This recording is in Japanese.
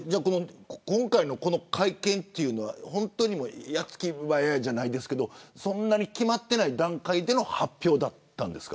今回の会見というのは矢継ぎ早じゃないですけどそんなに決まっていない段階での発表だったんですか。